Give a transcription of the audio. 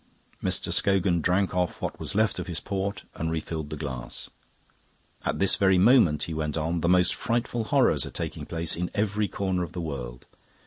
Mr. Scogan drank off what was left of his port and refilled the glass. "At this very moment," he went on, "the most frightful horrors are taking place in every corner of the world.